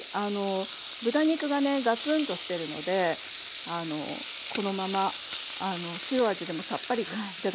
豚肉がねガツンとしてるのでこのまま塩味でもさっぱりと頂けますね。